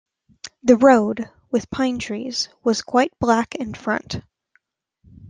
The road, with pine trees, was quite black in front.